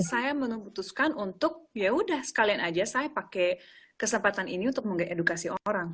saya memutuskan untuk yaudah sekalian aja saya pakai kesempatan ini untuk mengedukasi orang